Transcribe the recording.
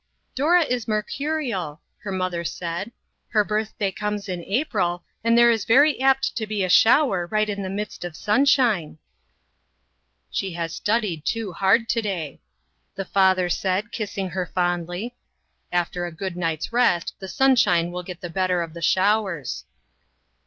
" Dora is mercurial," her mother said. " Her birthday comes in April, and there is very apt to be a shower right in the midst of sunshine " REACHING INTO TO MORROW. 21 "She has studied too hard to day," the father said, kissing her fondly. " After a good night's rest, the sunshine will get the better of the showers."